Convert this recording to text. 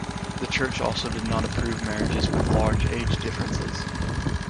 The Church also did not approve marriages with large age differences.